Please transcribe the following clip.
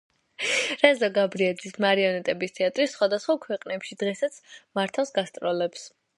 რეზო გაბრიაძის მარიონეტების თეატრი სხვადასხვა ქვეყნებში დღესაც მართავს გასტროლებს.